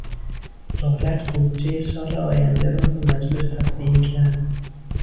دولت بودجهی سال آینده را به مجلس تقدیم کرد.